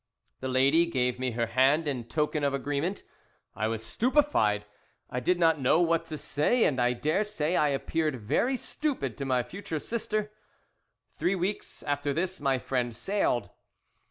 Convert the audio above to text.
"The lady gave me her hand in token of agreement. I was stupefied! I did not know what to say, and I daresay I appeared very stupid to my future sister. "Three weeks after this my friend sailed.